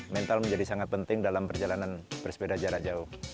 mental menjadi sangat penting dalam perjalanan bersepeda jarak jauh